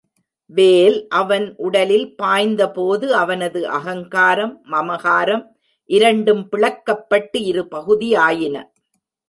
வேல் அவன் உடலில் பாய்ந்த போது அவனது அகங்காரம், மமகாரம் இரண்டும் பிளக்கப்பட்டு இரு பகுதியாயின.